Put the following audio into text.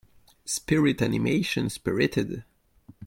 Spirit animation Spirited.